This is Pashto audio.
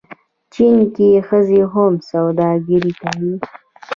چین کې ښځې هم سوداګري کوي.